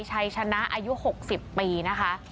ชัยชะน้าอายุหกสิบปีนะคะ